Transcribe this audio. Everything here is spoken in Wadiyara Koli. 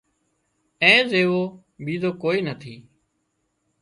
اين زيوو ٻيزو ڪوئي نٿِي